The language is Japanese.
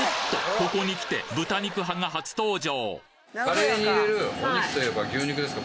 ここにきて豚肉派が初登場！